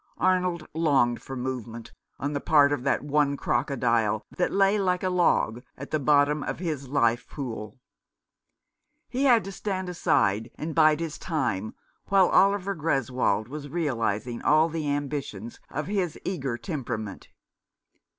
Arnold longed for movement on the part of that one crocodile that lay like a log at the bottom of his life pool. He had to stand aside and bide his time, while Oliver Greswold was realizing all the ambitions of his eager temperament.